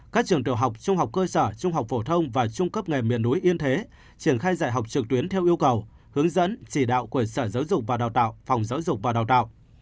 các trường tiểu học trung học cơ sở trung học phổ thông và trung cấp nghề miền núi yên thế triển khai dạy học trực tuyến theo yêu cầu hướng dẫn chỉ đạo của sở giáo dục và đào tạo phòng giáo dục và đào tạo